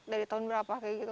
dari tahun berapa